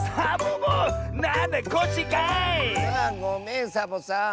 あごめんサボさん。